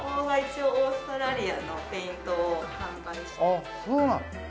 あっそうなの。